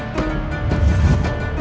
aku mau ke kanjeng itu